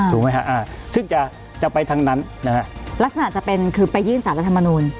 ถูกไหมฮะซึ่งจะไปทางนั้นลักษณะจะเป็นคือไปยื่นสารสรรธรรมนุน